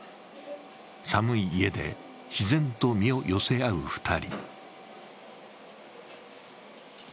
寒い家で自然と身を寄せ合う２人。